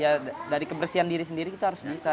ya dari kebersihan diri sendiri kita harus bisa